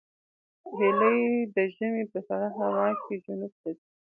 هیلۍ د ژمي په سړه هوا کې جنوب ته ځي